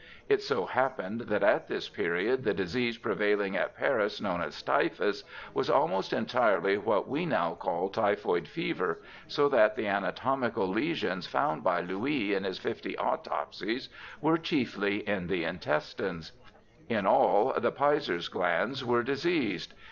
It so happened that at this period the disease prevailing at Paris known as typhus was almost entirely what we now call typhoid fever, so that the anatomical lesions found by Louis in his fifty autopsies were chiefly in the intestines ; in all the Peyer's glands were diseased.